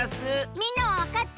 みんなはわかった？